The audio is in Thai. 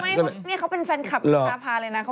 ไม่นี่เขาเป็นแฟนคลับคุณชาพาเลยนะ